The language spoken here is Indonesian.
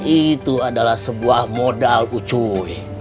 itu adalah sebuah modal ucuy